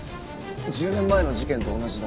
１０年前の事件と同じだ。